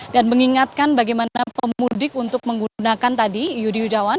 dan mengingatkan bagaimana pemudik untuk menggunakan tadi yudi yudawan